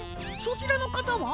そちらのかたは？